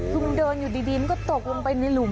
คุณเดินอยู่ดีมันก็ตกลงไปในหลุม